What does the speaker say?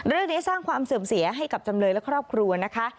เรื่องนี้สร้างความเสื่อมเสียให้กับจำเลยและครอบครัวนะคะ